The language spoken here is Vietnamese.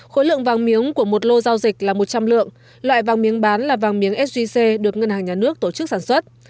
khối lượng vàng miếng của một lô giao dịch là một trăm linh lượng loại vàng miếng bán là vàng miếng sgc được ngân hàng nhà nước tổ chức sản xuất